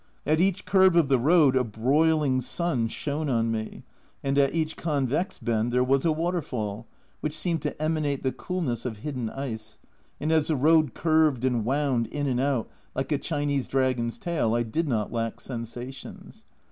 At each curve of the road a broiling sun shone on me, and at each convex bend there was a waterfall, which seemed to emanate the coolness of hidden ice, and as the road curved and wound in and out like a Chinese dragon's tail, I did not lack sensations.